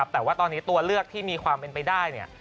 แต่ว่าตอนนี้ตัวเลือกที่มีความเป็นไปได้